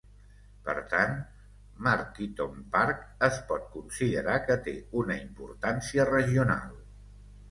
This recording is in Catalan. Per tant, Markeaton Park es pot considerar que té una importància regional.